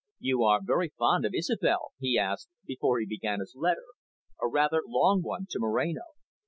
"You are very fond of Isobel?" he asked, before he began his letter, a rather long one, to Moreno.